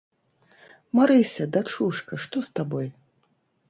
Марыся, дачушка, што з табой?